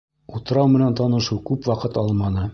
Утрау менән танышыу күп ваҡыт алманы.